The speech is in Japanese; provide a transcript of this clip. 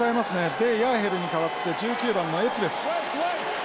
デヤーヘルに代わって１９番のエツベス。